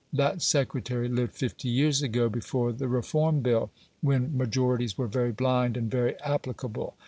That secretary lived fifty years ago, before the Reform Bill, when majorities were very blind, and very "applicable".